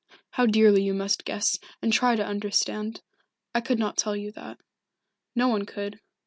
How dearly you must guess, and try to understand. I could not tell you that. No one could.